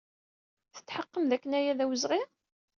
Tetḥeqqem dakken aya d awezɣi?